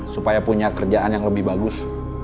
supaya punya kerjaan yang lebih bagus